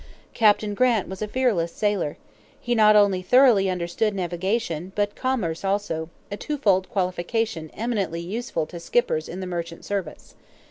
Captain Grant was a fearless sailor. He not only thoroughly understood navigation, but commerce also a two fold qualification eminently useful to skippers in the merchant service.